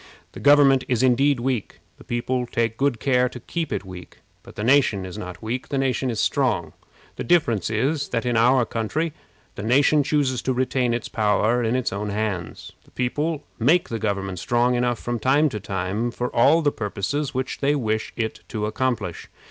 The government is indeed weak. The people take good care to keep it weak. But the nation is not weak; the nation is strong. The difference is, that in our country the nation chooses to retain its power in its own hands. The people make the government strong enough from time to time for all the purposes which they wish it to accomplish.